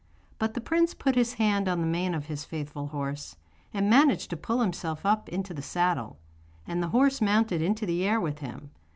But the prince put his hand on the mane of his faithful horse, and managed to pull himself up into the saddle, and the horse mounted into the air with him.